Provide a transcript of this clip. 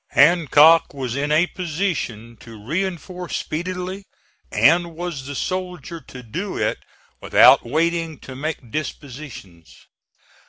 Hancock was in a position to reinforce speedily, and was the soldier to do it without waiting to make dispositions.